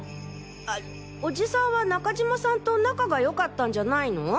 あおじさんは中島さんと仲が良かったんじゃないの？